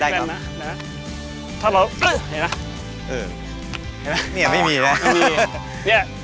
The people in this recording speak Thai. ได้ครับถ้าเราเห็นไหมเออเห็นไหมเนี้ยไม่มีนะไม่มี